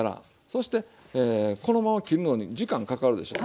そしてこのまま切るのに時間かかるでしょ。